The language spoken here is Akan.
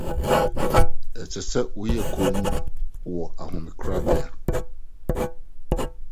Ɛsɛ sɛ woyɛ komm wɔ nhomakorabea.